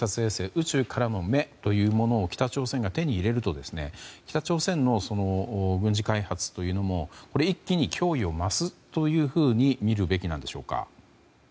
宇宙からの目というものを北朝鮮が手に入れると北朝鮮の軍事開発のこれ一気に脅威を増すというふうにみるべきですか。